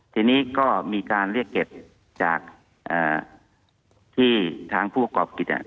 ทีนี้ก็มีการเรียกเก็บจากที่ทางผู้ประกอบกิจ